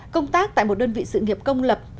công tác tại một đơn vị sự nghiệp công lập